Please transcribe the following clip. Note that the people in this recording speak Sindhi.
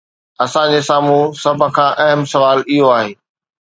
اسان جي سامهون سڀ کان اهم سوال اهو آهي.